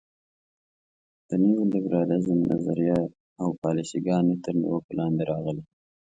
د نیولیبرالیزم نظریه او پالیسي ګانې تر نیوکو لاندې راغلي.